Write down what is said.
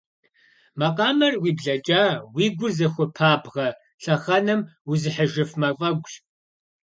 Макъамэр уи блэкӏа, уи гур зыхуэпабгъэ лъэхъэнэм узыхьыжыф мафӏэгущ.